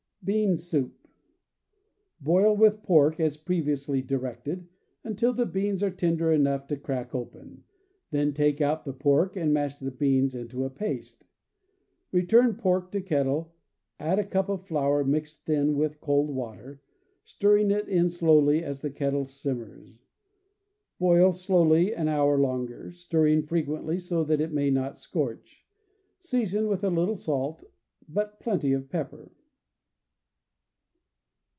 Bean Soup. — Boil with pork, as previously directed, until the beans are tender enough to crack open; then take out the pork and mash the beans into a paste. Return pork to kettle, add a cup of flour mixed thin with cold water, stirring it in slowly as the kettle sim mers. Boil slowly an hour longer, stirring frequently so that it may not scorch. Season with little salt but plenty of pepper.